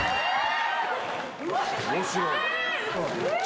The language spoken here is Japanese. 面白い。